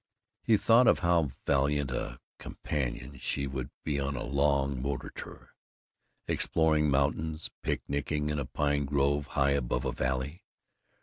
He thought of how valiant a companion she would be on a long motor tour, exploring mountains, picnicking in a pine grove high above a valley.